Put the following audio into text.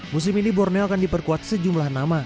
musim ini borneo akan diperkuat sejumlah nama